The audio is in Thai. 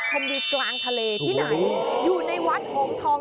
ชมดีกลางทะเลที่ไหนอยู่ในวัดโหงทอง